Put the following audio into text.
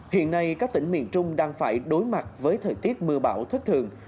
tại vì các tỉnh miền trung đang phải đối mặt với thời tiết mưa bão thất thường